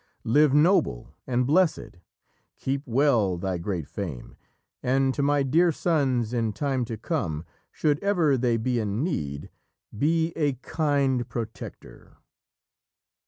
Live noble and blessed! Keep well thy great fame, and to my dear sons, in time to come, should ever they be in need, be a kind protector!"